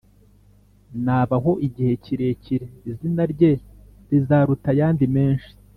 Nabaho igihe kirekire, izina rye rizaruta ayandi menshi,